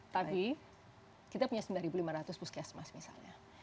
tapi kita punya sembilan lima ratus puskesmas misalnya